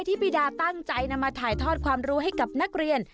ที่บีดาตั้งใจนำมาถ่ายทอดความรู้ให้กับนักเรียน